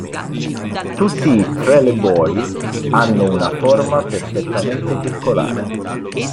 Tutti i "trelleborg" hanno una forma perfettamente circolare.